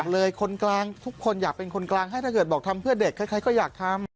เลยคนกลางทุกคนอยากเป็นคนกลางให้ถ้าเกิดบอกทำเพื่อเด็กใครก็อยากทำ